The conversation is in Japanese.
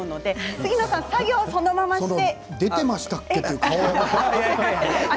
杉野さんは作業をそのままで。